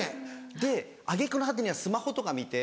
で揚げ句の果てにはスマホとか見て。